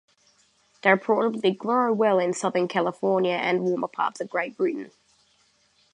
They reportedly grow well in Southern California and warmer parts of Great Britain.